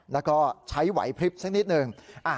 แล้วก็ใช้ไหวพลิบสักนิดหนึ่ง